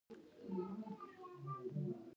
ټکنالوژي د ګټو تر څنګ ستونزي هم ایجاد کړيدي.